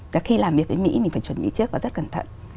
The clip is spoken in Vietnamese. cả khi làm việc với mỹ mình phải chuẩn bị trước và rất cẩn thận